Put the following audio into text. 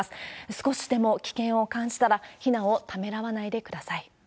少しでも危険を感じたら、避難をためらわないでください。